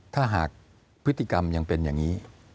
ถ้าหากพฤติกรรมยังเป็นอย่างนี้